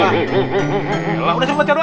yaudah udah siap baca doa